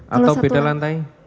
atau beda lantai